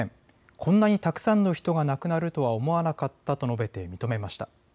こんなにたくさんの人が亡くなるとは思わなかったと述べて認めました。